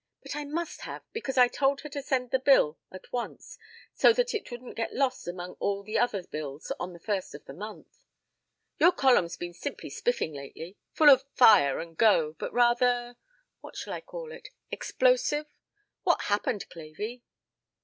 But I must have, because I told her to send the bill at once so that it wouldn't get lost among all the other bills on the first of the month. Your column's been simply spiffing lately. Full of fire and go, but rather what shall I call it explosive? What's happened, Clavey?"